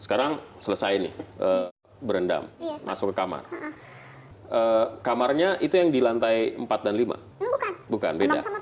sekarang selesai nih berendam masuk ke kamar kamarnya itu yang di lantai empat dan lima bukan beda